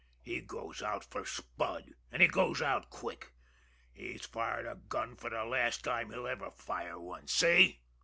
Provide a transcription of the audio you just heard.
He goes out fer Spud an' he goes out quick. He's fired a gun de last time he'll ever fire one see?"